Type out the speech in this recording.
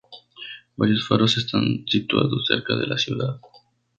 Varios faros están situados cerca de la ciudad.